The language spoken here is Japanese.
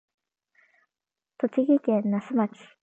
栃木県那須町